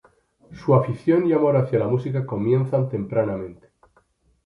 Su afición y amor hacia la música comienzan tempranamente.